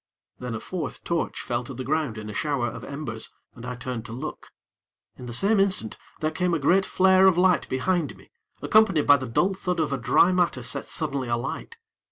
Then a fourth torch fell to the ground in a shower of embers, and I turned to look. In the same instant there came a great flare of light behind me, accompanied by the dull thud of a dry matter set suddenly alight.